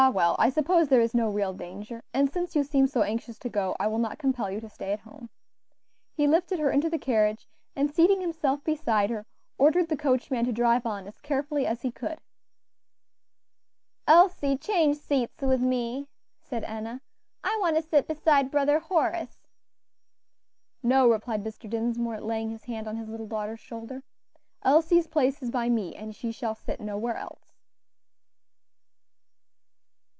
well, I suppose there is no real danger; and since you seem so anxious to go, I will not compel you to stay at home," he lifted her into the carriage, and seating himself beside her, ordered the coachman to drive on as carefully as he could. "Elsie, change seats with me," said Enna; "I want to sit beside Brother Horace." "No," replied Mr. Dinsmore, laying his hand on his little daughter's shoulder, "Elsie's place is by me, and she shall sit nowhere else."